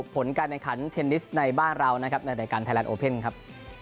ผลการแข่งขันเทนนิสในบ้านเรานะครับในรายการไทยแลนดโอเพ่นครับ